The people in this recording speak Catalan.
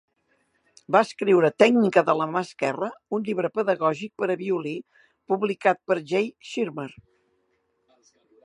Va escriure "Tècnica de la mà esquerra", un llibre pedagògic per a violí publicat per G. Schirmer.